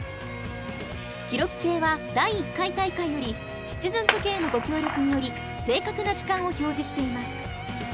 記録計は第１回大会よりシチズン時計のご協力により正確な時間を表示しています。